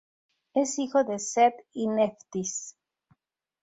Es hijo de Seth y Neftis.